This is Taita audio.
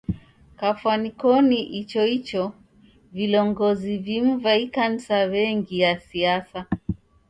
Kwafwani koni icho icho, vilongozi vimu va ikanisa w'engia siasa.